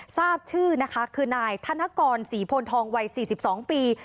ทราบชื่อนะคะคือนายธนกรศรีโพนทองวัย๔๒ปี